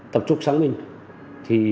tập trục sáng minh